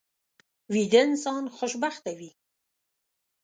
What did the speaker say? ویده انسان خوشبخته وي